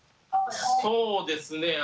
そうですね。